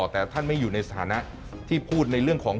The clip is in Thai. แต่ท่านไม่อยู่ในสถานะที่พูดในเรื่องของ